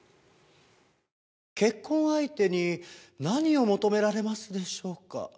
結婚相手に何を求められますでしょうか？